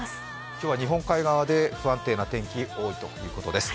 今日は日本海側で不安定な天気が多いということです。